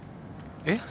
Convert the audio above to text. えっ？